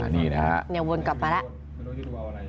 นี่นะฮะเนี่ยวนกลับมาแล้ว